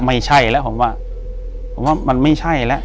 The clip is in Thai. ไม่ใช่แล้วผมว่าผมว่ามันไม่ใช่แล้ว